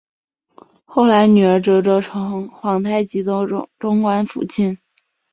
后来女儿哲哲成皇太极的中宫福晋。